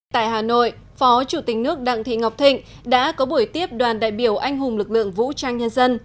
tại hà nội phó chủ tịch nước đặng thị ngọc thịnh đã có buổi tiếp đoàn đại biểu anh hùng lực lượng vũ trang nhân dân